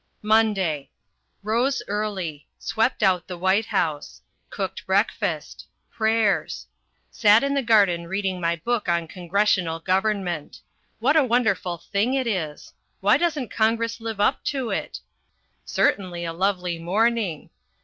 MONDAY. Rose early. Swept out the White House. Cooked breakfast. Prayers. Sat in the garden reading my book on Congressional Government. What a wonderful thing it is! Why doesn't Congress live up to it? Certainly a lovely morning.